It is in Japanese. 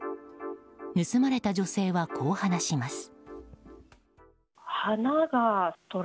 盗まれた女性はこう話します。